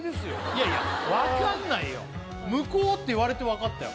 いやいや分かんないよ「むこう」って言われて分かったよ